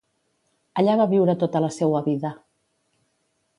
Allà va viure tota la seua vida.